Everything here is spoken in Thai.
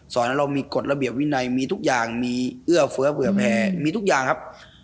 เรามีกฎระเบียบวินัยมีทุกอย่างมีเอื้อเฟื้อเผื่อแผ่มีทุกอย่างครับ